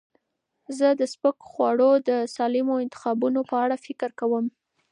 زه د سپک خواړو د سالمو انتخابونو په اړه فکر کوم.